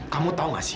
kamu tahu tidak sih